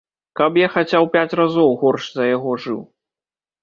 Каб я хаця ў пяць разоў горш за яго жыў.